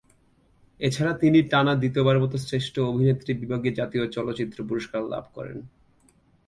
এছাড়া তিনি টানা দ্বিতীয়বারের মত শ্রেষ্ঠ অভিনেত্রী বিভাগে জাতীয় চলচ্চিত্র পুরস্কার লাভ করেন।